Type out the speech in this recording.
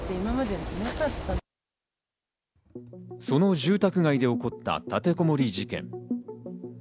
その住宅街で起こった立てこもり事件。